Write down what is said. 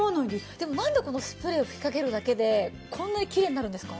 でもなんでこのスプレーを吹きかけるだけでこんなにきれいになるんですか？